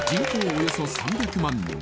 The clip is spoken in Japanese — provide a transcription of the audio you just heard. およそ３００万人